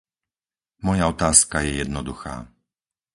Moja otázka je jednoduchá.